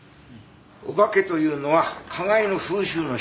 お化けというのは花街の風習の１つなの。